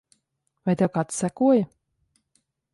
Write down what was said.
Vai tev kāds sekoja?